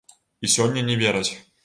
І сёння не вераць.